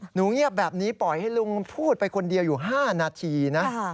เงียบแบบนี้ปล่อยให้ลุงพูดไปคนเดียวอยู่๕นาทีนะ